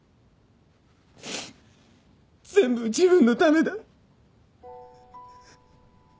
全部自分のためだ。